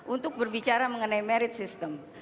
untuk berbicara mengenai merit system